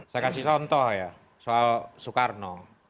saya kasih contoh ya soal soekarno